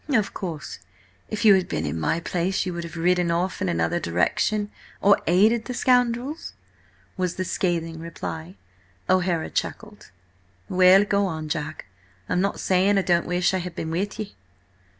"Of course, if you had been in my place you would have ridden off in another direction–or aided the scoundrels?" was the scathing reply. O'Hara chuckled. "Well, go on, Jack. I'm not saying I don't wish I had been with ye."